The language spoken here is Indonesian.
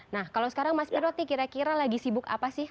nah kalau sekarang mas piroti kira kira lagi sibuk apa sih